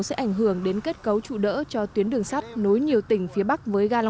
sẽ ảnh hưởng đến kết cấu chủ đề của haries và các vòng cầu